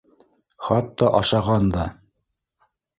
Хатта ашаған да